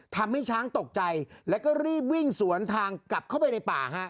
ทำให้ช้างตกใจแล้วก็รีบวิ่งสวนทางกลับเข้าไปในป่าฮะ